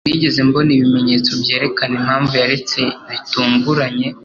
Sinigeze mbona ibimenyetso byerekana impamvu yaretse bitunguranye.